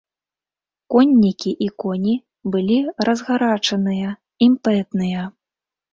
Коннікі і коні былі разгарачаныя, імпэтныя.